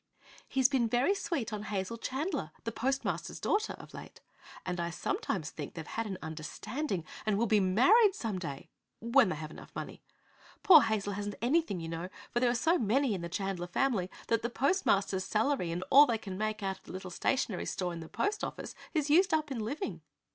"He's been very sweet on Hazel Chandler, the postmaster's daughter, of late, and I sometimes think they've had an understanding and will be married, some day when they have enough money. Poor Hazel hasn't anything, you know, for there are so many in the Chandler family that the postmaster's salary and all they can make out of the little stationery store in the post office is used up in living."